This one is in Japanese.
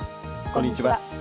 こんにちは。